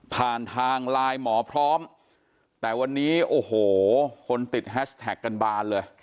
ผ่านทางไลน์หมอพร้อมแต่วันนี้โอ้โหคนติดแฮชแท็กกันบานเลย